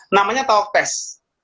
namanya talk test